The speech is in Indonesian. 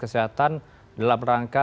kesehatan dalam rangka